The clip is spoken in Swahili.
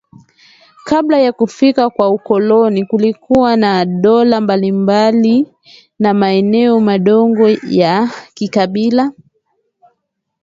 Kabla ya kufika kwa ukoloni kulikuwa na dola mbalimbali na maeneo madogo ya kikabila